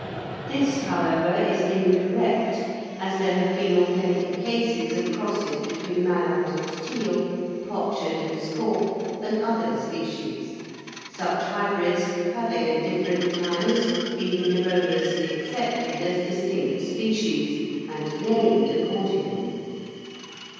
This, however, is incorrect, as there have been authentic cases of crosses between mallard and teal, pochard and scaup and other species, such hybrids having at different times been erroneously accepted as distinct species and named accordingly.